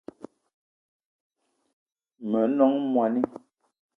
Me nong moni